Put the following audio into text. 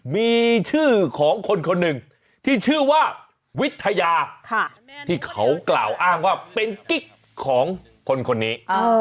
มีชื่อของคนคนหนึ่งที่ชื่อว่าวิทยาที่เขากล่าวอ้างว่าเป็นกิ๊กของคนนี้